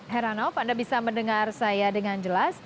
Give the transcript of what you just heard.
heranov anda bisa mendengar saya dengan jelas